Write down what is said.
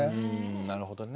なるほどね。